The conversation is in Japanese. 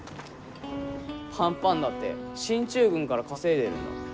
パンパンだって進駐軍から稼いでるんだ。